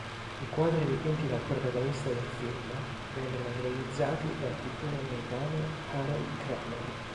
I quadri dipinti dal protagonista del film vennero realizzati del pittore americano Harold Kramer.